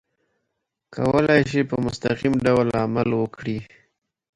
کولای شي په مستقل ډول عمل وکړي.